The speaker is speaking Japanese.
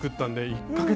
１か月！